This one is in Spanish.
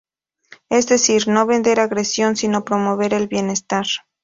Es decir, no vender agresión, sino promover el bienestar.